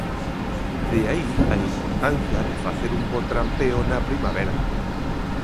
De aí a importancia de facer un bo trampeo na primavera.